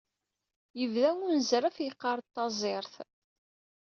Yebda unezraf yeqqar-d taẓirt.